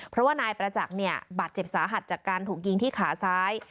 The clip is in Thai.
เพราะว่านายประจักษ์เนี่ยบาดเจ็บสาหัสจากการถูกยิงที่ขาซ้าย